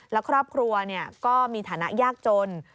และครอบครัวก็มีฐานะยากจน